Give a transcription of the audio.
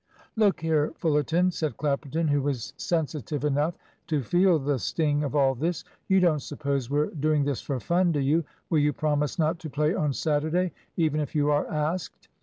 "Look here, Fullerton," said Clapperton, who was sensitive enough to feel the sting of all this, "you don't suppose we're doing this for fun, do you? Will you promise not to play on Saturday, even if you are asked?"